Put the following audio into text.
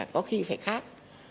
có khi phải khác